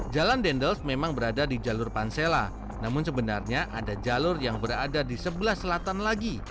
jalan dendels memang berada di jalur pansela namun sebenarnya ada jalur yang berada di sebelah selatan lagi